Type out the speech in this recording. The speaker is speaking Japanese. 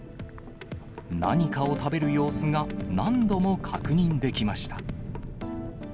何かを食べる様子が、何度も確認できました。